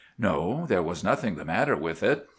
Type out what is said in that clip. No, there was nothing the matter with it.